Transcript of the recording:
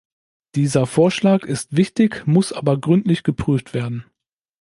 Dieser Vorschlag ist wichtig, muss aber gründlich geprüft werden.